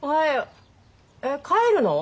えっ帰るの？